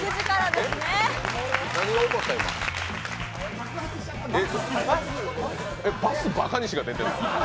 なすばかにしが出てるの？